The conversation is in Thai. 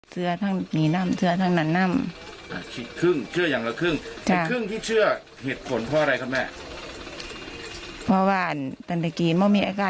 เสื้อทั้งมีน้ำเสื้อทั้งนั้น